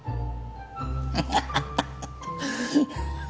ハハハハ。